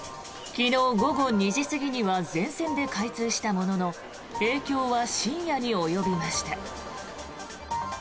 昨日午後２時過ぎには全線で開通したものの影響は深夜に及びました。